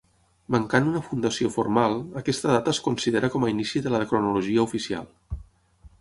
Mancant una fundació formal, aquesta data es considera com a inici de la cronologia oficial.